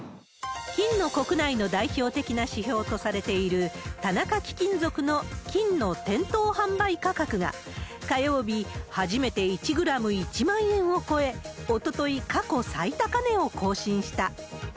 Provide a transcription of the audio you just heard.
金の国内の代表的な指標とされている、田中貴金属の金の店頭販売価格が、火曜日、初めて１グラム１万円を超え、おととい過去最高値を更新した。